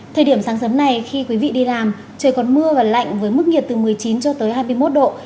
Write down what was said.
thời điểm sáng sớm này khi quý vị đi làm trời còn mưa và lạnh với mức nhiệt từ một mươi chín cho tới hai mươi một độ